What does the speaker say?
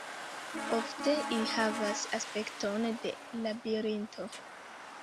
Ofte ili havas aspekton de labirinto.